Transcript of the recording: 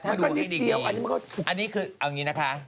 ถ้าเกิดเราใส่อย่างนี้แล้วถ้าเกิดมันบอกว่า